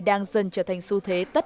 đang dần trở thành xu thế tất cả